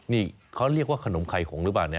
นี่เขาเรียกว่าขนมไข่หงหรือเปล่าเนี่ย